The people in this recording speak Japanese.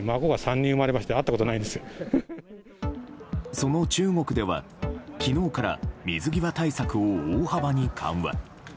その中国では昨日から水際対策を大幅に緩和。